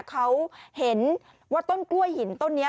เขาเห็นว่าต้นกล้วยหินต้นนี้